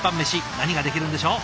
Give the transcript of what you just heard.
何ができるんでしょう。